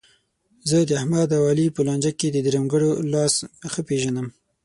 زه داحمد او علي په لانجه کې د درېیمګړو لاس ښه پېژنم.